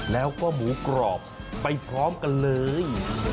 แล้วก็หมูกรอบไปพร้อมกันเลย